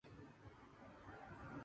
Alcides Mendoza Castro.